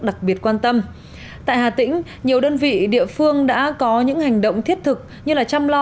đặc biệt quan tâm tại hà tĩnh nhiều đơn vị địa phương đã có những hành động thiết thực như chăm lo